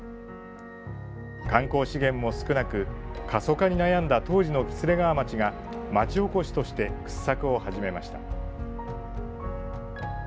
観光資源も少なく過疎化に悩んだ当時の喜連川町が町おこしとして掘削を始めました。